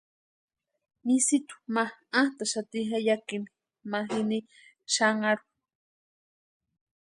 Misitu ma antʼaxati jeyakini ma jini xanharhu.